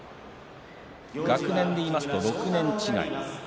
学年でいいますと６年違い。